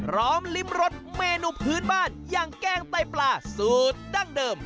้อมลิ้มรสเมนูพื้นบ้านอย่างแกงไต้ปลาสูตรดั้งเดิม